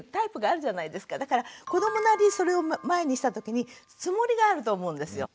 だから子どもなりにそれを前にしたときにつもりがあると思うんですよ。